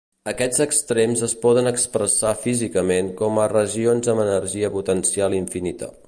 Aquests extrems es poden expressar físicament com a regions amb energia potencial infinita.